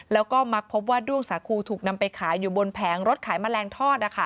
แล้วก็มักพบว่าด้วงสาคูถูกนำไปขายอยู่บนแผงรถขายแมลงทอด